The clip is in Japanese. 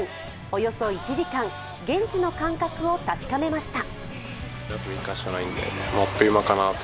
およそ１時間、現地の感覚を確かめました。